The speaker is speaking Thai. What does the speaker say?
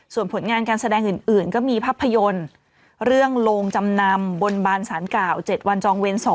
ส่วนผลงานการแสดงอื่นก็มีภาพยนตร์เรื่องโรงจำนำบนบานสารเก่า๗วันจองเวร๒